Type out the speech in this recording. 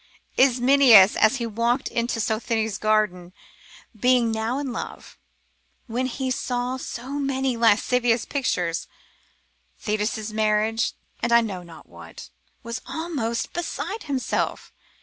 Ismenias, as he walked in Sosthene's garden, being now in love, when he saw so many lascivious pictures, Thetis' marriage, and I know not what, was almost beside himself.